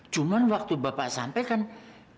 cuman waktu bapak sampe nona udah sampai di mobil saya